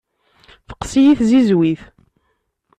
Teqqes-iyi tzizwit.